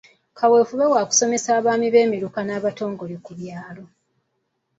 Kaweefube wa kusomesa abaami b'emiruka n'abatongole ku byalo.